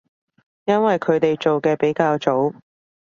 因為佢哋做嘅比較早